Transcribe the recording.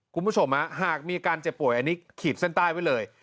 คุณผู้ชมหากมีอาการเจ็บป่วยอันนี้ขีดเส้นใต้ไว้เลย